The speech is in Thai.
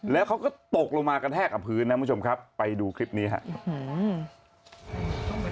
แล้วเขาก็ตกลงมากระแทกกับพื้นนะคุณผู้ชมครับไปดูคลิปนี้ครับ